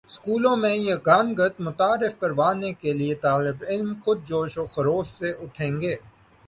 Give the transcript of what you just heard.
سکولوں میں یگانگت متعارف کروانے کے لیے طالب علم خود جوش و خروش سے اٹھیں گے